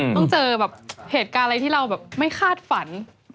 ต้องเจอแบบเหตุการณ์อะไรที่เราแบบไม่คาดฝัน